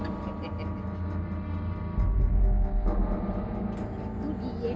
duduk duduk duduk